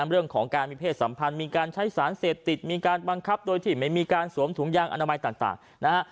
เรื่องของการมีเพศสัมพันธ์มีการใช้สารเสพติดมีการบังคับโดยที่ไม่มีการสวมถุงยางอนามัยต่างนะฮะ